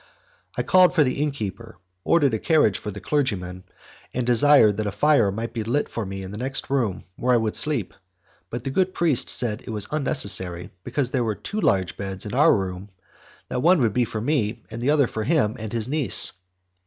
I called for the innkeeper, ordered a carriage for the clergyman, and desired that a fire might be lit for me in the next room where I would sleep, but the good priest said that it was unnecessary, because there were two large beds in our room, that one would be for me and the other for him and his niece.